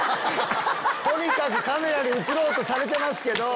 とにかくカメラに写ろうとされてますけど。